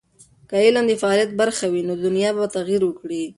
که علم د فعالیت برخه وي، نو دنیا به تغیر وکړي.